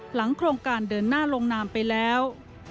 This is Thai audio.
โครงการเดินหน้าลงนามไปแล้ว